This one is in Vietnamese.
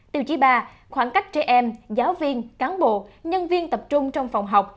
tiêu chí ba khoảng cách trẻ em giáo viên cán bộ nhân viên tập trung trong phòng học